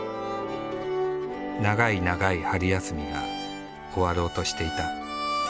長い長い春休みが終わろうとしていた。